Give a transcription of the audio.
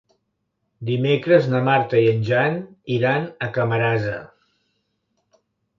Dimecres na Marta i en Jan iran a Camarasa.